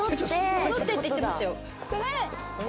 戻ってって言ってましたよ。